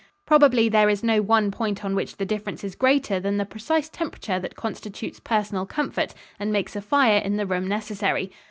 Probably there is no one point on which the difference is greater than the precise temperature that constitutes personal comfort and makes a fire in the room necessary.